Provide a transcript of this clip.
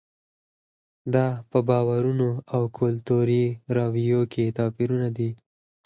دا په باورونو او کلتوري رویو کې توپیرونه دي.